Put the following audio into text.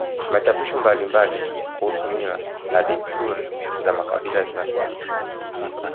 Machapisho mbalimbali kuhusu mila na desturi za makabila zinasema